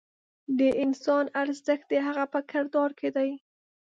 د انسان ارزښت د هغه په کردار کې دی.